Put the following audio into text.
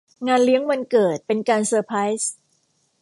งานเลี้ยงวันเกิดเป็นการเซอร์ไพรส์